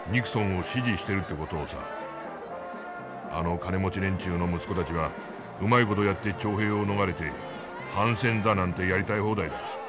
あの金持ち連中の息子たちはうまい事やって徴兵を逃れて反戦だなんてやりたい放題だ。